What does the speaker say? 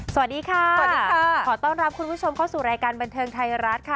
สวัสดีค่ะสวัสดีค่ะขอต้อนรับคุณผู้ชมเข้าสู่รายการบันเทิงไทยรัฐค่ะ